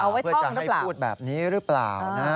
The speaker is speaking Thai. เอาไว้ท่องหรือเปล่าเพื่อจะให้พูดแบบนี้หรือเปล่า